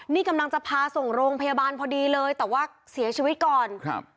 นี่กำลังจะพาส่งโรงพยาบาลพอดีเลยแต่ว่าเสียชีวิตก่อนครับ